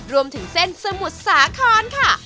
รวมถึงเส้นสมุทรสาครค่ะ